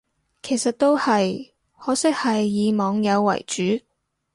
其實都係，可惜係以網友為主